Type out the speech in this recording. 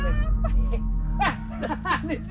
hahah ini dietin